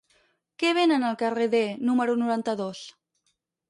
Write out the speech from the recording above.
Què venen al carrer D número noranta-dos?